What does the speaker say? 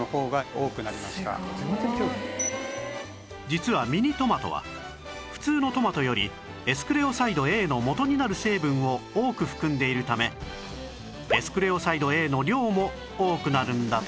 実はミニトマトは普通のトマトよりエスクレオサイド Ａ のもとになる成分を多く含んでいるためエスクレオサイド Ａ の量も多くなるんだとか